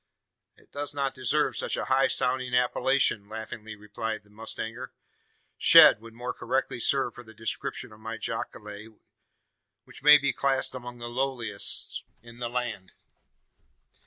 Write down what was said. "It does not deserve such a high sounding appellation," laughingly replied the mustanger. "Shed would more correctly serve for the description of my jacale, which may be classed among the lowliest in the land."